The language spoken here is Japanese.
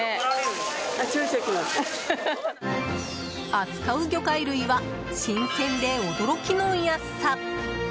扱う魚介類は新鮮で驚きの安さ。